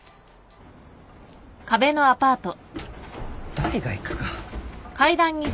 誰が行くか。